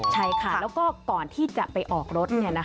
ใช่ค่ะแล้วก็ก่อนที่จะไปออกรถ